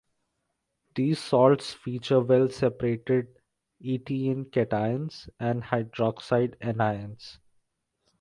These salts feature well separated EtN cations and hydroxide anions.